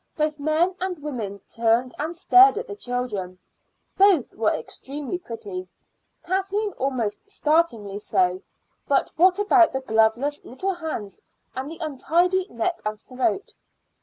Both men and women turned and stared at the children. Both were extremely pretty, Kathleen almost startlingly so. But what about the gloveless little hands and the untidy neck and throat?